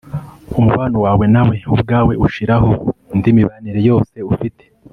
umubano wawe nawe ubwawe ushiraho indi mibanire yose ufite